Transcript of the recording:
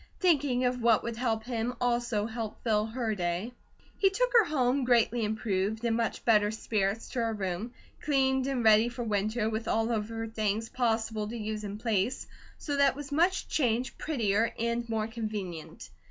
Thinking of what would help him also helped fill her day. He took her home, greatly improved, in much better spirits, to her room, cleaned and ready for winter, with all of her things possible to use in place, so that it was much changed, prettier, and more convenient.